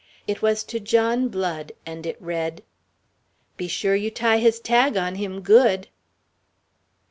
It was to John Blood, and it read: "Be sure you tie his tag on him good."